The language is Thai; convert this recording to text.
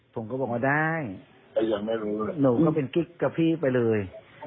ผมก็บอกว่าได้หนูก็เป็นกิ๊กกับพี่ไปเลย